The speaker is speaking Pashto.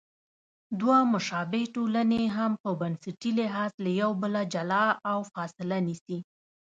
دوه مشابه ټولنې هم په بنسټي لحاظ له یو بله جلا او فاصله نیسي.